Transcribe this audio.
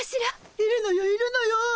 いるのよいるのよ。